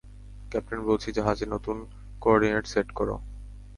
Captain বলছি, জাহাজের নতুন কো-অর্ডিনেট সেট করো।